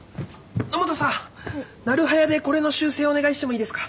野本さんなる早でこれの修正お願いしてもいいですか？